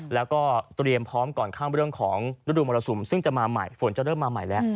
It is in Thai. และก็ตรียมพร้อมก่อนข้างเรื่องของรวดดูมรสุมซึ่งฝนจะเริ่มมาใหม่แล้ว